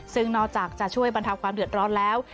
ซึ่งนอกจากจะช่วยบรรเทาความเดือดร้อนแล้ว